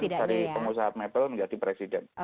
kemudian dari pengusaha metal menjadi presiden